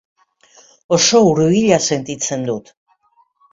Oso hurbila sentitzen dut.